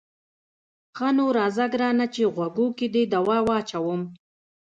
ښه نو راځه ګرانه چې غوږو کې دې دوا واچوم.